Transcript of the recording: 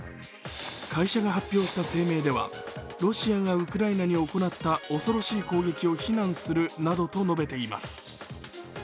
会社が発表した声明ではロシアがウクライナに行った恐ろしい攻撃を非難するなどと述べています。